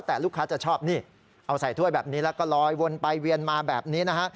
แต่ลูกค้าจะชอบนี่เอาใส่ถ้วยแบบนี้แล้วก็ลอยวนไปเวียนมาแบบนี้นะฮะ